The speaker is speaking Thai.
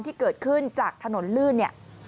ที่เกิดขึ้นจากถนนลื่นเนี่ย